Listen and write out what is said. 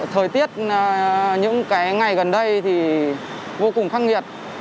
thời tiết những ngày gần đây thì vô cùng khắc nghiệt